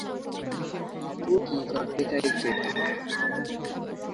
ও কী করতে চাইছে?